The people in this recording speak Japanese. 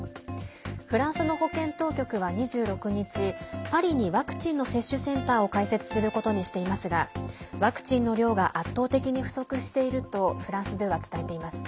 フランスの保健当局は２６日パリにワクチンの接種センターを開設することにしていますがワクチンの量が圧倒的に不足しているとフランス２は伝えています。